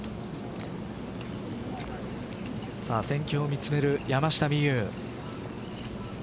戦況を見つめる山下美夢有。